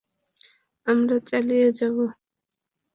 আমরা চালিয়ে যাবো?